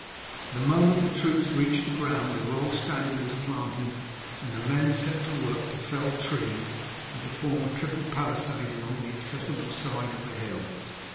The moment the troops reached the ground the royal standard was planted, and the men set to work to fell trees and to form a triple palisade along the accessible sides of the hills.